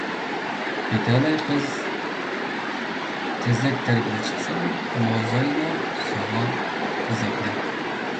بىتەلەي قىز تېزەك تەرگىلى چىقسا، موزايلار سۇغا تېزەكلەر.